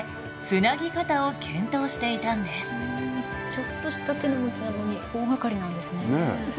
ちょっとした手の向きなのに大がかりなんですね。